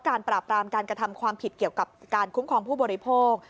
ปราบรามการกระทำความผิดเกี่ยวกับการคุ้มครองผู้บริโภค